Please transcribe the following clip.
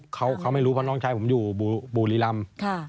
เขาไม่รู้เพราะน้องชายผมอยู่บุรีรำ